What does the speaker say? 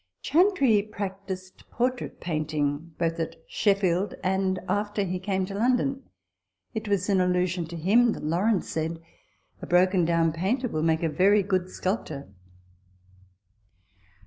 Chantrey practised portrait painting both at Shef field and after he came to London. It was in allusion to him that Lawrence said, " A broken down painter will make a very good sculptor."